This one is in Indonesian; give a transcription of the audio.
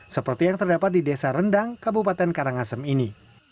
seperti yang terdapat di desa rendang kabupaten karangasem ini